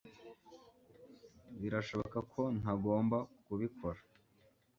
birashoboka ko ntagomba kubikora